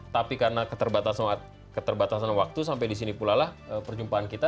tapi karena keterbatasan waktu sampai di sini pula lah perjumpaan kita